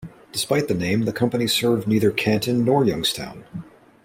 Despite the name, the company served neither Canton nor Youngstown.